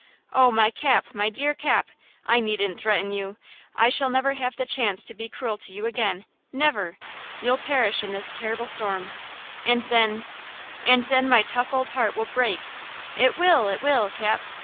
"Oh, my Cap! my dear Cap! I needn't threaten you! I shall never have the chance to be cruel to you again–never! You'll perish in this terrible storm and then–and then my tough old heart will break! It will–it will, Cap!